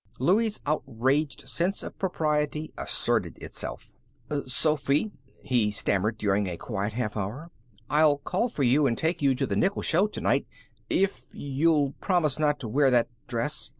Louie's outraged sense of propriety asserted itself. "Sophy," he stammered, during a quiet half hour, "I'll call for you and take you to the nickel show to night if you'll promise not to wear that dress.